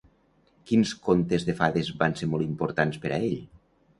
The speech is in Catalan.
Quins contes de fades van ser molt importants per ell?